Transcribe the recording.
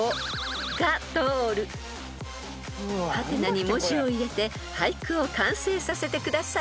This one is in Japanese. ［？に文字を入れて俳句を完成させてください］